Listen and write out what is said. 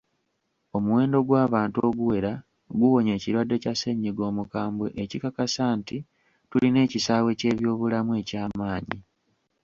Omuwendo gw'abantu oguwera guwonye ekirwadde kya ssennyiga omukambwe ekikakasa nti tulina ekisaawe ky'ebyobulamu eky'amaanyi.